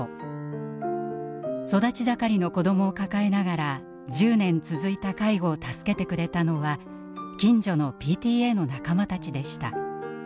育ち盛りの子どもを抱えながら１０年続いた介護を助けてくれたのは近所のＰＴＡの仲間たちでした。